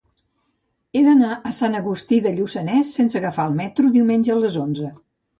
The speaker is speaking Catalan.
He d'anar a Sant Agustí de Lluçanès sense agafar el metro diumenge a les onze.